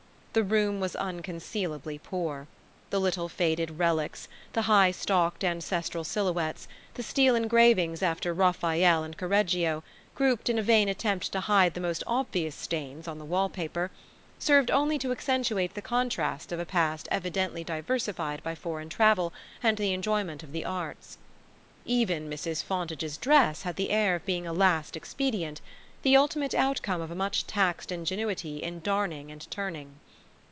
The room was unconcealably poor: the little faded "relics," the high stocked ancestral silhouettes, the steel engravings after Raphael and Correggio, grouped in a vain attempt to hide the most obvious stains on the wall paper, served only to accentuate the contrast of a past evidently diversified by foreign travel and the enjoyment of the arts. Even Mrs. Fontage's dress had the air of being a last expedient, the ultimate outcome of a much taxed ingenuity in darning and turning.